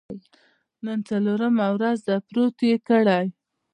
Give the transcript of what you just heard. نن څلورمه ورځ ده، پروت یې کړی.